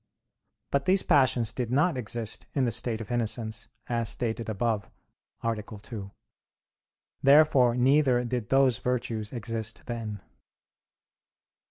But these passions did not exist in the state of innocence, as stated above (A. 2). Therefore neither did those virtues exist then.